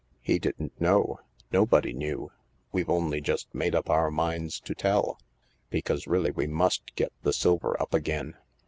"He didn't know. Nobody knew. We've only just made up our minds to tell. Because really we must get the silver up again."